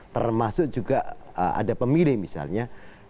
termasuk juga ada pemilih misalnya